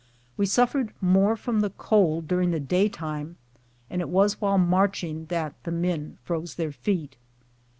We suffered more from the cold during the daytime, and it was while marching that the men froze their feet.